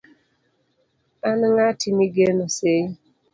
an ng'ati migeno sei